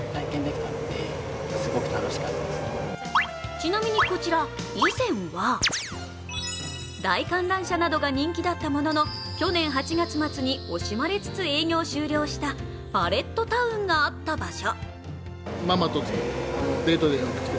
ちなみにこちら、以前は大観覧車などが人気だったものの去年８月末に惜しまれつつ営業終了したパレットタウンがあった場所。